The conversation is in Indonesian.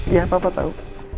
ya papa tau